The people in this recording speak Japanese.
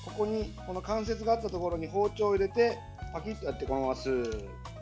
関節があったところに包丁を入れて、パキッとやってそのままスーッ。